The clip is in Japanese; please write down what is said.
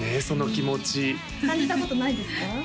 その気持ち感じたことないですか？